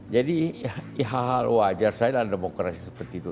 jadi wajar demokrasi seperti itu